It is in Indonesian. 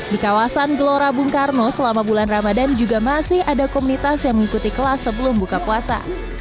di kawasan gelora bung karno selama bulan ramadan juga masih ada komunitas yang mengikuti kelas sebelum buka puasa